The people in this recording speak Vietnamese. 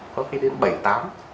có cái đến bảy tám